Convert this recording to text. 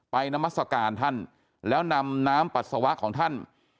นามัศกาลท่านแล้วนำน้ำปัสสาวะของท่าน